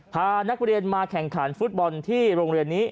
พานักเรียนมาแข่งขันฟุตบอลที่โรงเรียนนี้